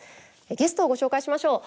ゲストをご紹介しましょう。